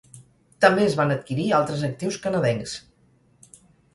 També es van adquirir altres actius canadencs.